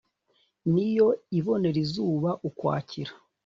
Ni yo ibonera izuba Ukwakira